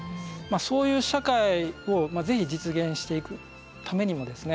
そういう社会をぜひ実現していくためにもですね